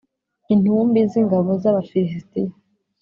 intumbi z’ingabo z’Abafilisitiya